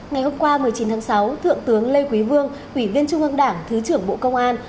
ngày hôm qua một mươi chín tháng sáu thượng tướng lê quý vương ủy viên trung ương đảng thứ trưởng bộ công an